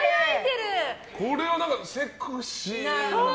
これはセクシーな。